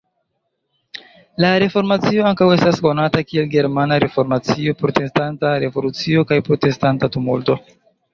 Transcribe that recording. La Reformacio ankaŭ estas konata kiel "Germana Reformacio", "Protestanta Revolucio" kaj "Protestanta Tumulto".